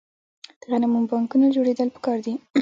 د غنمو بانکونه جوړیدل پکار دي.